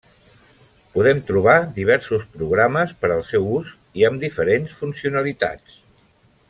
Podem trobar diversos programes per al seu ús i amb diferents funcionalitats.